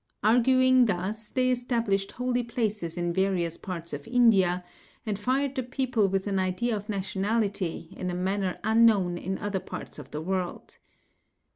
Arguing thus, they established holy places in various parts of India, and fired the people with an idea of nationality in a manner unknown in other parts of the world.